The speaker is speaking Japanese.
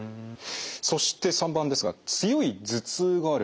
そして３番ですが強い頭痛がある。